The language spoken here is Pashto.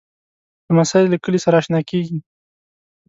لمسی له کلي سره اشنا کېږي.